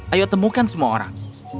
ayo temukan semua orang